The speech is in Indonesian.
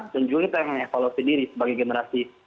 dan juga kita mengevaluasi diri sebagai generasi